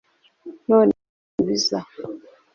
None Ruzibiza